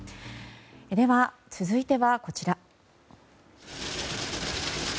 では、続いてはこちら。